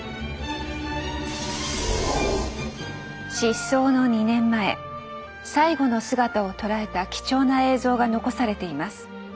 失踪の２年前最後の姿を捉えた貴重な映像が残されています。